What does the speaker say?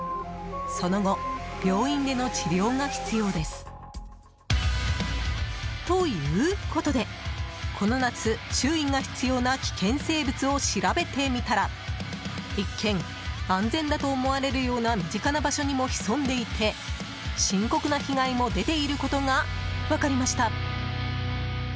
その後、病院での治療が必要です。ということでこの夏、注意が必要な危険生物を調べてみたら一見、安全だと思われるような身近な場所にも潜んでいて深刻な被害も出ていることが分かりました。